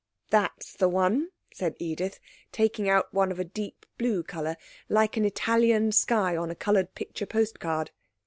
'That's the one,' said Edith, taking out one of a deep blue colour, like an Italian sky on a coloured picture post card.